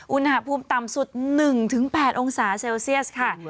อุณหภูมิต่ำสุด๑๘องศาเซลเซียสค่ะ